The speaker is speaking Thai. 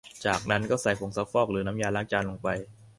จากนั้นก็ใส่ผงซักฟอกหรือน้ำยาล้างจานลงไป